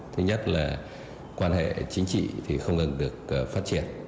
thứ nhất là quan hệ chính trị thì không ngừng được phát triển